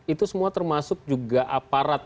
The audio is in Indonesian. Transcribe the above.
itu semua termasuk juga aparat